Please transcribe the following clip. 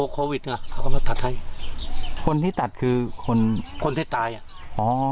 โควิดอ่ะเขาก็มาตัดให้คนที่ตัดคือคนคนที่ตายอ่ะอ๋อ